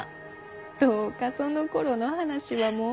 どうかそのころの話はもう。